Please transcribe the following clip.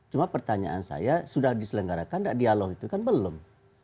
cuma pertanyaan saya sudah diselenggarakan tidak dialog itu kan belum